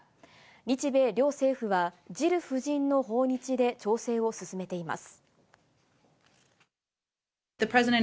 日米両政府は、ジル夫人の訪日で調整を進めています。